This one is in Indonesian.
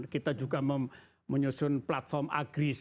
kita juga menyusun platform agris